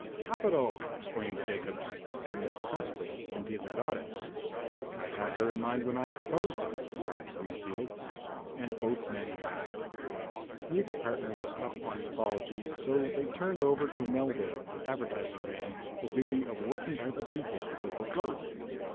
"Capital!" exclaimed Jacobs. "And Miss Preston can be the Goddess." "I had her in mind when I proposed it," remarked Greenfield. And both men laughed. Neither partner was up on mythology, so they turned over to Melvale, the advertising man, the duty of working out the details of the float.